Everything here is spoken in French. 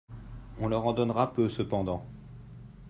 On leur en donnera peu cependant.